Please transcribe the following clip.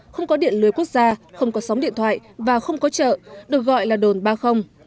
không có điện lưới quốc gia không có sóng điện thoại và không có chợ được gọi là đồn ba mươi